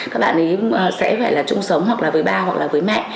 các bạn ấy sẽ phải là chung sống hoặc là với ba hoặc là với mẹ